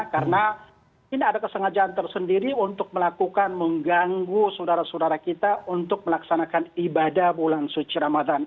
karena ini ada kesengajaan tersendiri untuk melakukan mengganggu saudara saudara kita untuk melaksanakan ibadah bulan suci ramadan